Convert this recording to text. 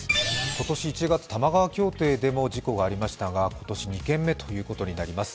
今年１月、多摩川競艇でも事故がありましたが今年２件目ということになります。